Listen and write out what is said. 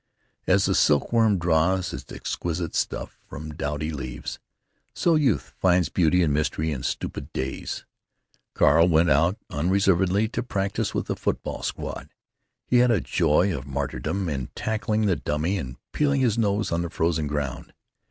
As the silkworm draws its exquisite stuff from dowdy leaves, so youth finds beauty and mystery in stupid days. Carl went out unreservedly to practise with the football squad; he had a joy of martyrdom in tackling the dummy and peeling his nose on the frozen ground.